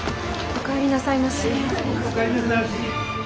お帰りなさいまし。